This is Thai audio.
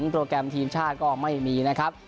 โปรแกรมทีมชาติก็ไม่มีนะครับ